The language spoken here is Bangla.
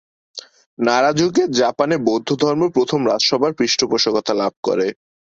নারা যুগে জাপানে বৌদ্ধধর্ম প্রথম রাজসভার পৃষ্ঠপোষকতা লাভ করে।